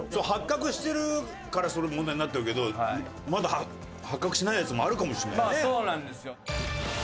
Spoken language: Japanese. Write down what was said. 発覚してるからそれ問題になってるけどまだ発覚してないやつもあるかもしれないよね。